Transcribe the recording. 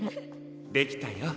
できたよ。